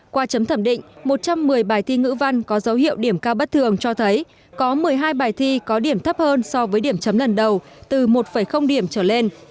qua chấm thẩm định một trăm một mươi bài thi ngữ văn có dấu hiệu điểm cao bất thường cho thấy có một mươi hai bài thi có điểm thấp hơn so với điểm chấm lần đầu từ một điểm trở lên